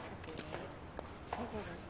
大丈夫？